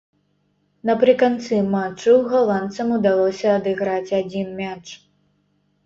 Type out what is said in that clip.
Напрыканцы матчу галандцам удалося адыграць адзін мяч.